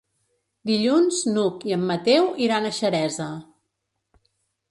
Dilluns n'Hug i en Mateu iran a Xeresa.